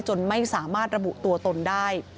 จนไม่สามารถระบุตัวตนได้